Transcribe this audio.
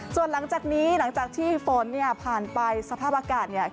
ส่วนหลังจากนี้หลังจากที่ฝนเนี่ยผ่านไปสภาพอากาศเนี่ย